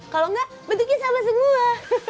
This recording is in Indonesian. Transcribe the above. kalau enggak bentuknya sama semua